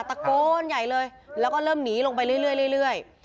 ตะโกนใหญ่เลยแล้วก็เริ่มหนีลงไปเรื่อย